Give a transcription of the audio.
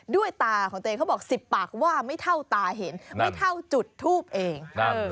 ด้วยตาของตัวเองเขาบอก๑๐ปากว่าไม่เท่าตาเห็นไม่เท่าจุดทูบเอง